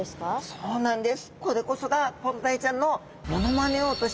そうなんです。